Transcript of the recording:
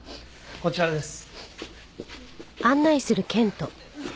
こちらです。